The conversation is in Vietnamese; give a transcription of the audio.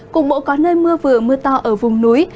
cục bộ có nơi mưa vừa mưa to ở vùng núi